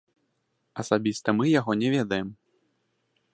Асабіста мы яго не ведаем.